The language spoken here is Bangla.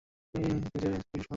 তিনি নিজে পারফেকশনিস্ট ছিলেন।